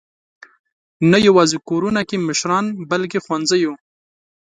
نه یواځې کورونو کې مشران، بلکې ښوونځیو.